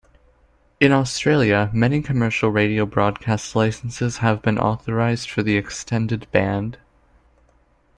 In Australia, many commercial radio broadcast licences have been authorised for the extended band.